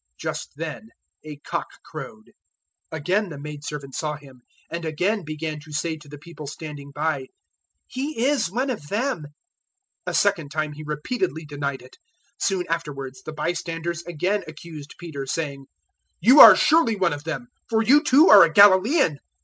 Just then a cock crowed. 014:069 Again the maidservant saw him, and again began to say to the people standing by, "He is one of them." 014:070 A second time he repeatedly denied it. Soon afterwards the bystanders again accused Peter, saying, "You are surely one of them, for you too are a Galilaean."